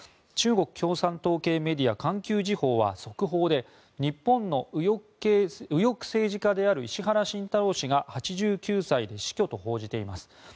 中国共産党系メディア環球時報は速報で日本の右翼政治家である石原慎太郎氏が８９歳で死去と報じています。